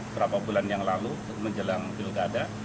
berapa bulan yang lalu menjelang pilkada